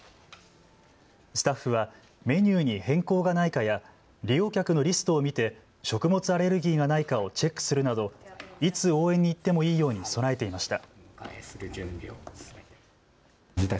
スタッフはメニューに変更がないかや利用客のリストを見て食物アレルギーがないかをチェックするなどいつ応援に行ってもいいように備えていました。